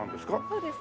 そうです。